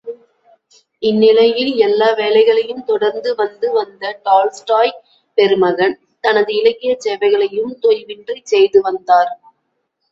இந்நிலையில் எல்லா வேலைகளையும் தொடர்ந்து வந்து வந்த டால்ஸ்டாய் பெருமகன், தனது இலக்கியச் சேவைகளையும் தொய்வின்றிச் செய்துவந்தார்.